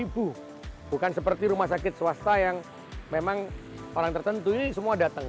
bukan seperti rumah sakit swasta yang memang orang tertentu ini semua datang